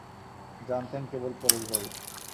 জানতেন কেবল পরেশবাবু।